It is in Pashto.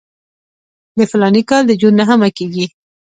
د فلاني کال د جون نهمه کېږي.